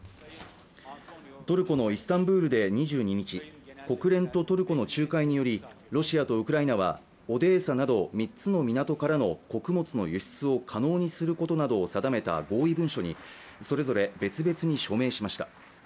トルコのイスタンブールで２２日、国連とトルコの仲介によりロシアとウクライナは、オデーサなど３つの港からの穀物の輸出を可能にすることなどを定めた合意文書にそれぞれ別々に署名しました。